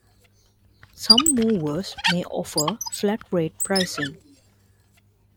Some movers may offer flat rate pricing.